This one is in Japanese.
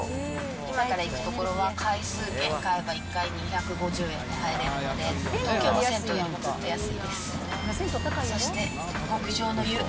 今から行く所は、回数券買えば１回２５０円で入れるので、東京の銭湯よりもずっと安いです。